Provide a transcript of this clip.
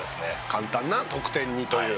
「簡単な得点にという」